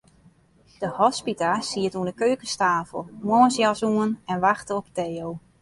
De hospita siet oan 'e keukenstafel, moarnsjas oan, en wachte op Theo.